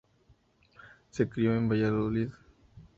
Se crio en Valladolid.